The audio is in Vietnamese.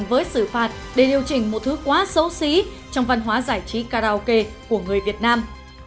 với xử phạt để điều chỉnh một thứ quá xấu xí trong văn hóa giải trí karaoke của người việt nam